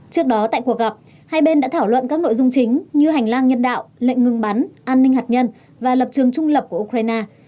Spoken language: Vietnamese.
trước đó tại cuộc gặp hai bên đã thảo luận các nội dung chính như hành lang nhân đạo lệnh ngừng bắn an ninh hạt nhân và lập trường trung lập của ukraine